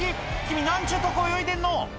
君何ちゅうとこ泳いでんの！